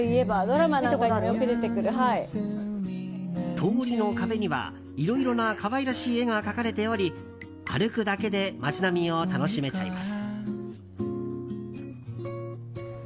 通りの壁には、いろいろな可愛らしい絵が描かれており歩くだけで街並みを楽しめちゃいます。